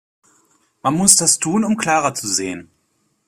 Man muss das tun, um klarer zu sehen.